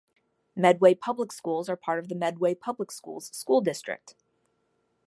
Medway Public Schools are part of the Medway Public Schools school district.